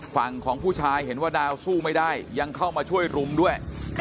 ฝั่งของผู้ชายเห็นว่าดาวสู้ไม่ได้ยังเข้ามาช่วยรุมด้วย